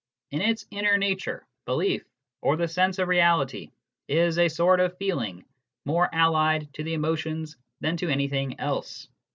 ... In its inner nature, belief, or the sense of reality, is a sort of feeling more allied to the emotions than to anything else."